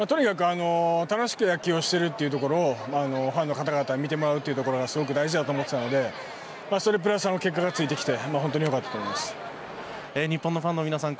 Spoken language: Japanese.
楽しく野球をしているところをファンの方々に見てもらうところが大事だと思っていたのでそれプラス結果がついてきて日本のファンの皆さん